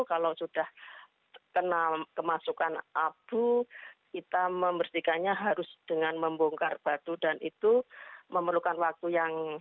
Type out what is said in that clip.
kalau sudah kena kemasukan abu kita membersihkannya harus dengan membongkar batu dan itu memerlukan waktu yang